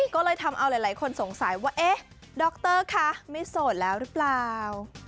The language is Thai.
ก็เลยทำเอาหลายคนสงสัยว่าเอ๊ะดรคะไม่โสดแล้วหรือเปล่า